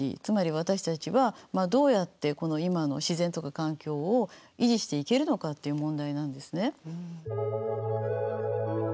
つまり私たちはどうやってこの今の自然とか環境を維持していけるのかっていう問題なんですね。